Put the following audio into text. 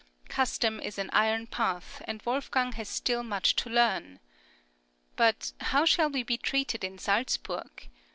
Custom is an iron path, and Wolfgang has still much to learn. But how shall we be treated in Salzburg?